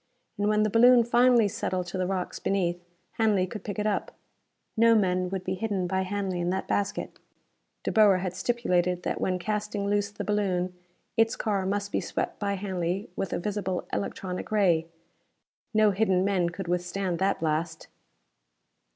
And when the balloon finally settled to the rocks beneath, Hanley could pick it up. No men would be hidden by Hanley in that basket. De Boer had stipulated that when casting loose the balloon, its car must be swept by Hanley with a visible electronic ray. No hidden men could withstand that blast!